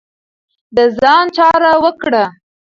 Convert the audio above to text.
د ځان جار وکړه.